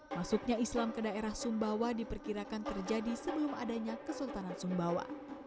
masuknya islam ke daerah sumbawa diperkirakan terjadi sebelum adanya kesultanan sumbawa